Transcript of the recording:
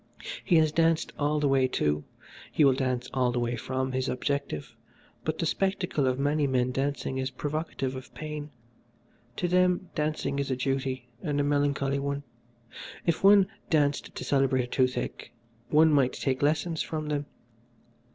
He has danced all the way to, he will dance all the way from his objective, but the spectacle of many men dancing is provocative of pain. To them dancing is a duty, and a melancholy one. If one danced to celebrate a toothache one might take lessons from them.